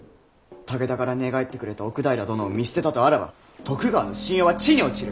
武田から寝返ってくれた奥平殿を見捨てたとあらば徳川の信用は地に落ちる！